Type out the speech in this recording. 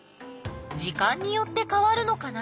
時間によってかわるのかな？